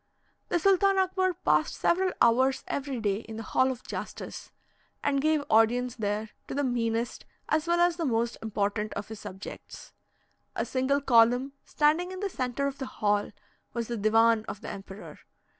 The Sultan Akbar passed several hours every day in the Hall of Justice, and gave audience there to the meanest, as well as the most important of his subjects. A single column, standing in the centre of the hall, was the divan of the emperor.